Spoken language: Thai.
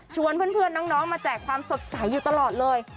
เพื่อนน้องมาแจกความสดใสอยู่ตลอดเลย